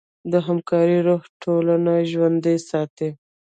د همکارۍ روح ټولنه ژوندۍ ساتي.